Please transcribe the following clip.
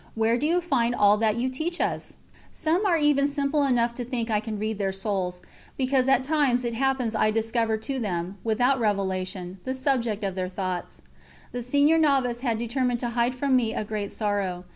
Where do you find all that you teach us?" Some are even simple enough to think I can read their souls, because at times it happens I discover to them without revelation the subject of their thoughts. The senior novice had determined to hide from me a great sorrow.